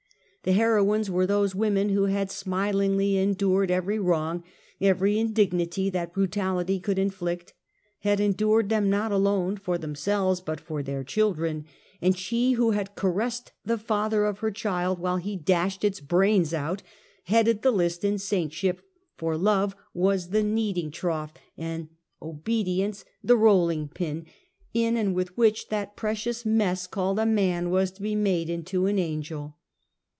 The heroines were those women who had smilingly endured every wrong, every indignity that brutality could inflict; had endured them not alone for themselves but for their children; and she who had caressed the father of her child while he dashed its brains out, headed the list in saintship; for love was the kneading trough, and obedience the roll ing pin, in and with which that precious mess called a man was to be made into an angel.